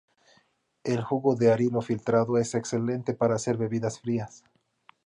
El jugo del arilo filtrado es excelente para hacer bebidas frías.